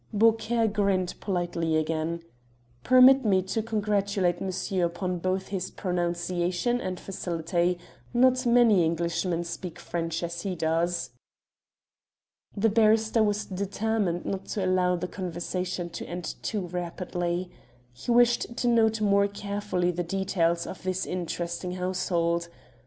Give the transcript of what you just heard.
Beaucaire grinned politely again: "Permit me to congratulate monsieur upon both his pronunciation and facility. Not many Englishmen speak French as he does." The barrister was determined not to allow the conversation to end too rapidly. He wished to note more carefully the details of this interesting household.